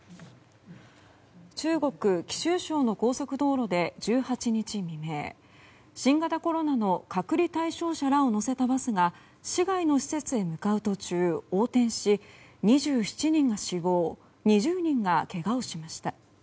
中国・貴州省の高速道路で１８日未明新型コロナの隔離対象者らを乗せたバスが市外の施設へ向かう途中横転し２７人が死亡２０人がけがをしました。